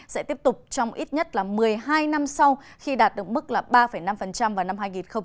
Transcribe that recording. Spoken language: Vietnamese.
sẽ tiếp tục trong ít nhất một mươi hai năm sau khi đạt được mức ba năm vào năm hai nghìn một mươi ba